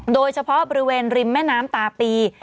โดยเฉพาะบริเวณริมแม่น้ำตาปี